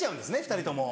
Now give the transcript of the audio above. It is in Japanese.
２人とも。